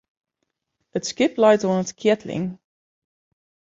It skip leit oan 't keatling.